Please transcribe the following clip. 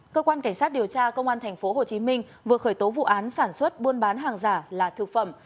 cơ quan cảnh sát điều tra công an thành phố hồ chí minh vừa khởi tố vụ án sản xuất buôn bán hàng giả là thực phẩm